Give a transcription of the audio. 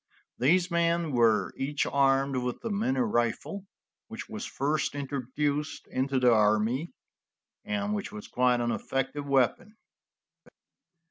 These men were each armed with the minie rifle which was first introduced into the army, and which was quite an effective weapon.